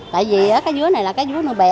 tại vì cá dứa này là cá dứa nơi bè